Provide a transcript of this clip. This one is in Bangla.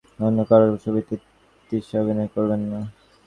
অনেকেরই ধারণা, ফারুকী ছাড়া অন্য কারও ছবিতে তিশা অভিনয় করবেন না।